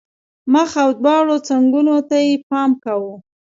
مخ او دواړو څنګونو ته یې پام کاوه.